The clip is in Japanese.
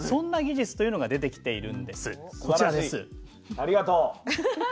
ありがとう。